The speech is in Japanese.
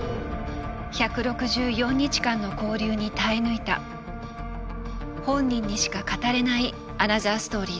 １６４日間の勾留に耐え抜いた本人にしか語れないアナザーストーリーです。